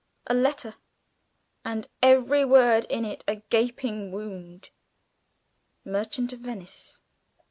A letter, And every word in it a gaping wound." _Merchant of Venice.